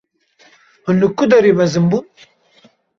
Hûn li ku derê mezin bûn?